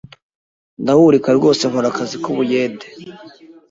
ndahurika rwose nkora akazi k’ubuyede